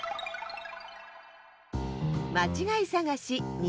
まちがいさがし２